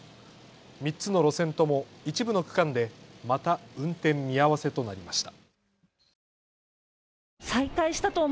３つの路線とも一部の区間でまた運転見合わせとなりました。